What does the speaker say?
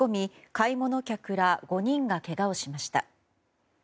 買い物客ら５人がけがをしました。